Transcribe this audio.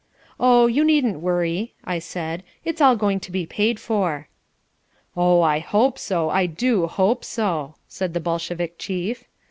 "Oh, you needn't worry," I said, "it's all going to be paid for." "Oh I hope so, I do hope so," said the Bolshevik chief.